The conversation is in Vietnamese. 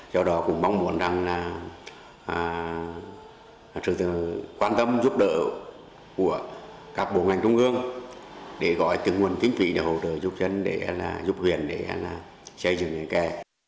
do đó cũng mong muốn rằng là trưởng tượng quan tâm giúp đỡ của các bộ ngành trung ương để gọi tương nguồn kính phỉ để hỗ trợ giúp dân giúp huyện để xây dựng những kè